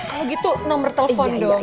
kalau gitu nomer telpon dong